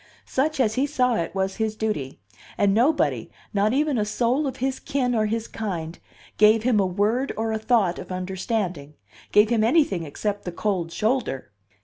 Such, as he saw it, was his duty; and nobody, not even a soul of his kin or his kind, gave him a word or a thought of understanding, gave him anything except the cold shoulder.